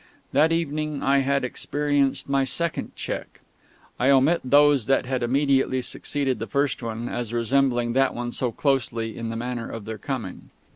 That evening I had experienced my second check. (I omit those that had immediately succeeded the first one, as resembling that one so closely in the manner of their coming.)